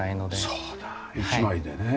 そうだ１枚でね。